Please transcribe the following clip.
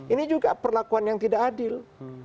ini juga perlakuan yang tidak adil